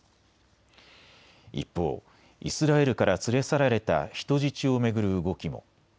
一方、イスラエルから連れ去られた人質を巡る動きも。